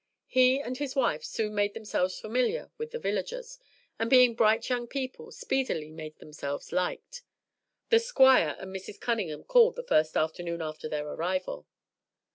He and his wife soon made themselves familiar with the villagers, and being bright young people, speedily made themselves liked. The Squire and Mrs. Cunningham called the first afternoon after their arrival.